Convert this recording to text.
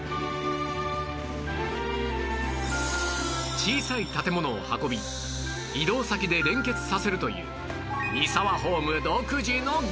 小さい建物を運び移動先で連結させるというミサワホーム独自の技術